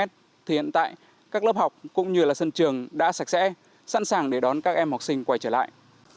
thì hiện tại các lớp học cũng như là sân trường đã sạch sẽ sẵn sàng để đón các em học sinh quay trở lại